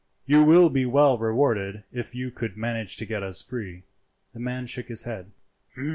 "You will be well rewarded if you could manage to get us free." The man shook his head.